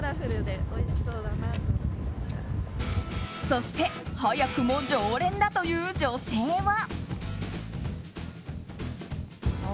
そして早くも常連だという女性は。